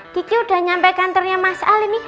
giki udah nyampe kantornya mas al ini